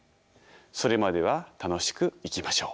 それまでは楽しく生きましょう。